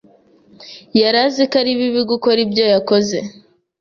yari azi ko ari bibi gukora ibyo yakoze.